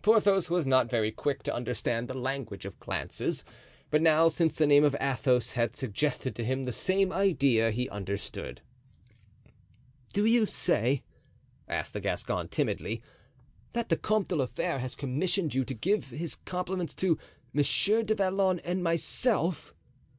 Porthos was not very quick to understand the language of glances, but now since the name of Athos had suggested to him the same idea, he understood. "Do you say," asked the Gascon, timidly, "that the Comte de la Fere has commissioned you to give his compliments to Monsieur du Vallon and myself?"